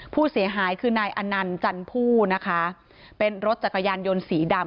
ผู้เสียหายคือนายอนันต์จันผู้นะคะเป็นรถจักรยานยนต์สีดำ